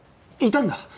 いたんだ。